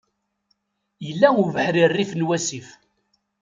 Yella ubeḥri rrif n wasif.